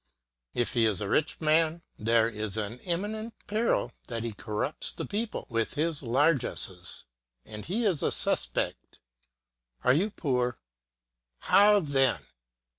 If he is a rich man, there is an imminent peril that he corrupt the people with his largesses, and he is a suspect. Are you poor? How then!